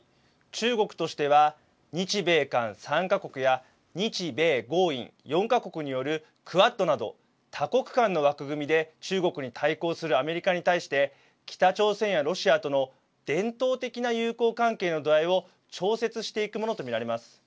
中国としては日米韓３か国や日米豪印４か国によるクアッドなど、多国間の枠組みで中国に対抗するアメリカに対して北朝鮮やロシアとの伝統的な友好関係の度合いを調節していくものと見られます。